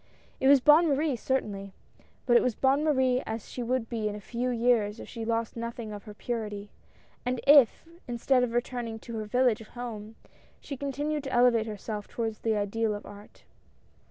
It was Bonne Marie certainly, but it was Bonne Marie as she would be in a few years if she lost nothing of her purity, and if, instead of returning to her village home, she continued to elevate herself toward the ideal of art.